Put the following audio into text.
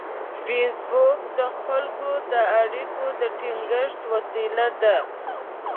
فېسبوک د خلکو د اړیکو د ټینګښت وسیله ده